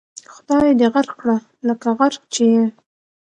خدای دې غرق کړه لکه غرق چې یې.